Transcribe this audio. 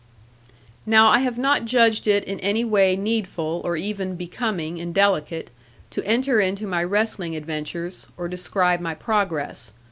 Now I have not judged it in any way needful or even becoming and delicate, to enter into my wrestling adventures, or describe my progress.